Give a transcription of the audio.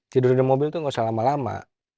tidur di mobil tuh nggak usah lama lama